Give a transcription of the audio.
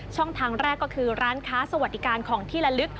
ทางแรกก็คือร้านค้าสวัสดิการของที่ละลึก